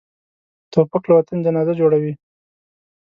توپک له وطن جنازه جوړوي.